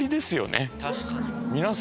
確かに。